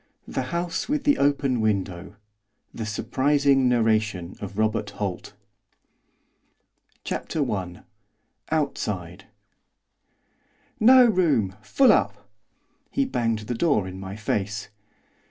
The House with the Open Window The Surprising Narration of Robert Holt CHAPTER I. OUTSIDE 'No room! Full up!' He banged the door in my face.